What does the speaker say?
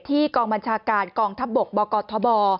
กองบัญชาการกองทัพบกบกทบ